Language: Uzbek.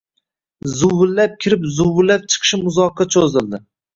Zuvillab kirib, zuvillab chiqishim uzoqqa cho‘zildi